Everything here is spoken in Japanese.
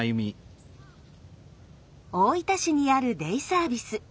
大分市にあるデイサービス。